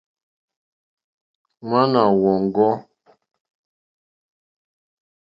Ŋwáná wɔ̀ŋɡɔ́.